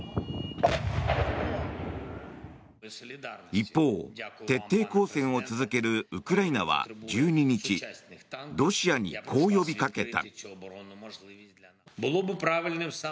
一方、徹底抗戦を続けるウクライナは１２日ロシアにこう呼びかけた。